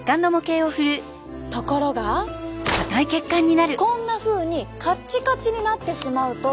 ところがこんなふうにカッチカチになってしまうと。